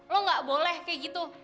lo gak boleh kayak gitu